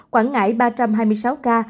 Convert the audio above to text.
quảng ngãi ba trăm hai mươi sáu ca